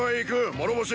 諸星。